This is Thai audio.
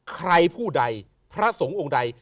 ใครผู้ใดพระสงฆ์องค์ใด